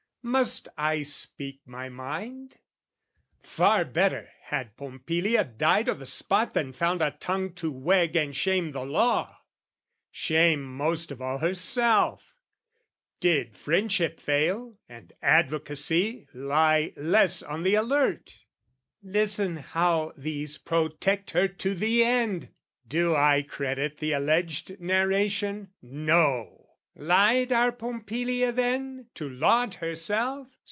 Must I speak my mind? Far better had Pompilia died o' the spot Than found a tongue to wag and shame the law, Shame most of all herself, did friendship fail, And advocacy lie less on the alert. Listen how these protect her to the end! Do I credit the alleged narration? No! Lied our Pompilia then, to laud herself?